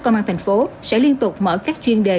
công an thành phố sẽ liên tục mở các chuyên đề